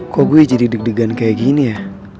kok gue jadi deg degan kayak gini ya